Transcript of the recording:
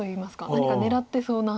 何か狙ってそうな。